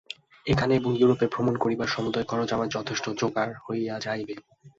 এখানে এবং ইউরোপে ভ্রমণ করিবার সমুদয় খরচ আমার যথেষ্ট যোগাড় হইয়া যাইবে।